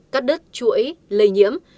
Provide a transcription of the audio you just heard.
cắt đứt chuỗi lây nhiễm